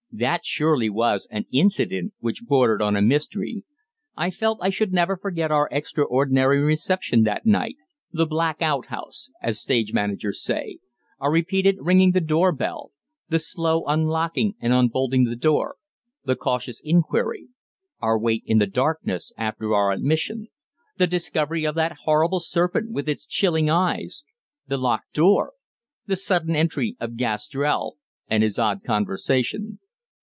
That surely was an "incident" which bordered on a mystery. I felt I should never forget our extraordinary reception that night the "black out" house, as stage managers say; our repeated ringing the door bell; the slow unlocking and unbolting the door; the cautious inquiry; our wait in the darkness after our admission; the discovery of that horrible serpent with its chilling eyes; the locked door; the sudden entry of Gastrell, and his odd conversation.